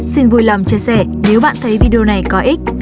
xin vui lòng chia sẻ nếu bạn thấy video này có ích